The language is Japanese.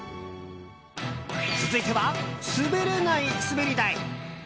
続いては滑れない滑り台。